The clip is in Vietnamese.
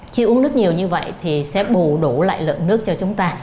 khi uống nước nhiều như vậy thì sẽ bù đủ lại lượng nước cho chúng ta